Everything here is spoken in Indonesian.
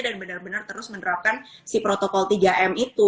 dan benar benar terus menerapkan si protokol tiga m itu